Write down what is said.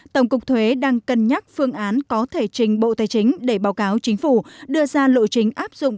tổng cục thuế đang cân nhắc phương án có thể trình bộ tài chính để báo cáo chính phủ đưa ra lộ trình áp dụng